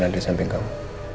ada di samping kamu